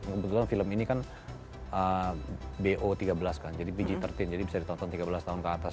kebetulan film ini kan bo tiga belas kan jadi pg tiga belas jadi bisa ditonton tiga belas tahun ke atas